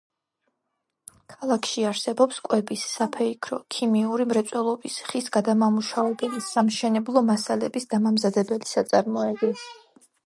ქალაქში არსებობს კვების, საფეიქრო, ქიმიური მრეწველობის; ხის გადამამუშავებელი, სამშენებლო მასალების დამამზადებელი საწარმოები.